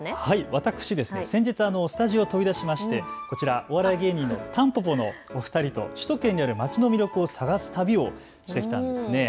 私、先日スタジオを飛び出しまして、お笑い芸人、たんぽぽのお二人と首都圏にある街の魅力を探す旅をしてきたんです。